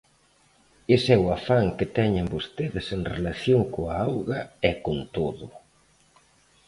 Ese é o afán que teñen vostedes en relación coa auga e con todo.